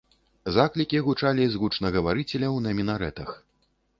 Заклікі гучалі і з гучнагаварыцеляў на мінарэтах.